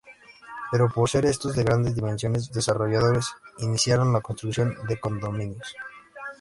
Pero por ser estos de grandes dimensiones, desarrolladores iniciaron la construcción de condominios.